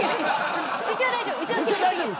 うちは大丈夫。